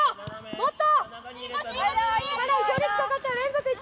もっと！